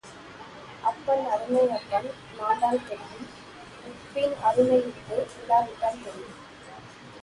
அப்பன் அருமை அப்பன் மாண்டால் தெரியும் உப்பின் அருமை உப்பு இல்லா விட்டால் தெரியும்.